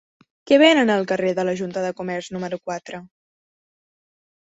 Què venen al carrer de la Junta de Comerç número quatre?